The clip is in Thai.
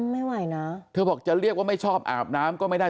ไม่ไหวนะเธอบอกจะเรียกว่าไม่ชอบอาบน้ำก็ไม่ได้